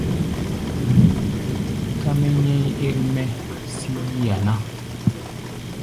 Ká mɛ́ nyɛ̧́í̧ ér-mɛ́ sí yí-a ná.